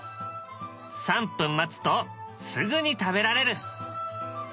３分待つとすぐに食べられる。